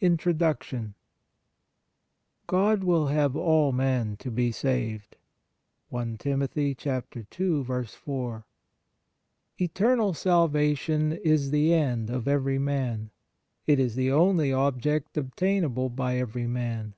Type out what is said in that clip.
INTRODUCTION "God will have all men to be saved" (I Tim. 2. 4). Eternal salvation is the end of every man. It is the only object obtainable by every man.